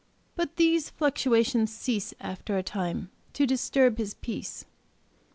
But these fluctuations cease, after a time, to disturb his peace.